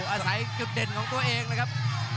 อาศัยจุดเด่นของตัวเองนะครับ